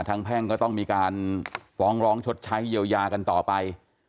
แพ่งก็ต้องมีการฟ้องร้องชดใช้เยียวยากันต่อไป